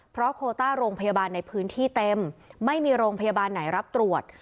เพราะโคต้าโรงพยาบาลในพื้นที่เต็มไม่มีโรงพยาบาลไหนรับตรวจ